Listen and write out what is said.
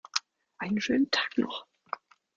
Einen schönen Tag noch!